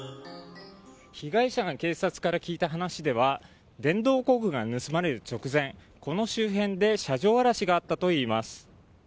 被害者が警察から聞いた話では電動工具が盗まれる直前この周辺で車上荒らしがあったといいます。